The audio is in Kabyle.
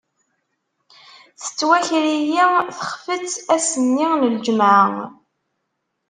Tettwaker-iyi texfet ass-nni n lǧemεa.